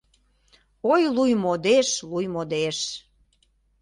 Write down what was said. Ой, луй модеш, луй модеш